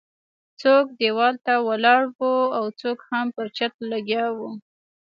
څوک ديوال ته ولاړ وو او څوک هم پر چت لګیا وو.